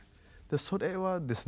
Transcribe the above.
それはですね